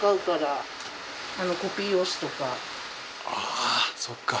あそっか。